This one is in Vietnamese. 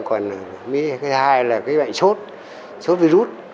còn cái hai là cái bệnh sốt sốt virus